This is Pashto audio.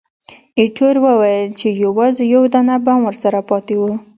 ایټور وویل چې، یوازې یو دانه بم ورسره پاتې وو.